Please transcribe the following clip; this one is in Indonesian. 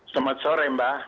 selamat sore mbak